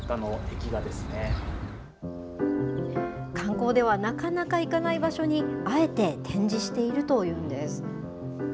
観光ではなかなか行かない場所に、あえて展示しているというんです。